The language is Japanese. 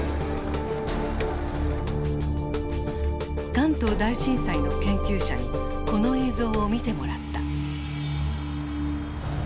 関東大震災の研究者にこの映像を見てもらった。